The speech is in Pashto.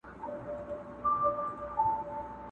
چي پاتېږي له نسلونو تر نسلونو،،!